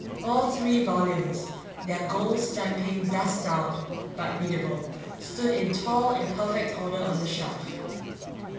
All three volumes, their gold stamping dust dulled but readable, stood in tall and perfect order on the shelf.